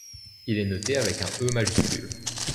Il est noté avec un E majuscule.